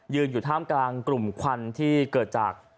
อยู่ท่ามกลางกลุ่มควันที่เกิดจาก